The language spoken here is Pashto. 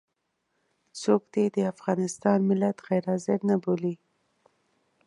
څوک دې د افغانستان ملت غير حاضر نه بولي.